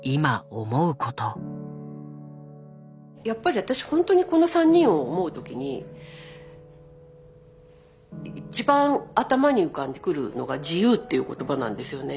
やっぱり私ほんとにこの３人を思う時に一番頭に浮かんでくるのが自由っていう言葉なんですよね。